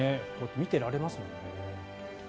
見てられますもんね。